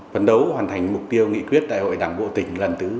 vấn đấu hoàn thành mục tiêu nghị quyết đại hội đảng bộ tỉnh